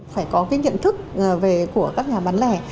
phải có cái nhận thức về của các nhà bán lẻ